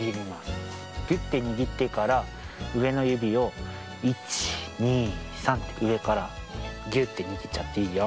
ぎゅってにぎってからうえのゆびを１２３ってうえからぎゅってにぎっちゃっていいよ。